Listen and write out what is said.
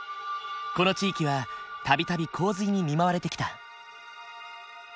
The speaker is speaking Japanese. この地域は度々洪水に見舞われてきた。